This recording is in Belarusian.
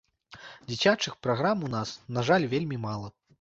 Дзіцячых праграм у нас, на жаль, вельмі мала.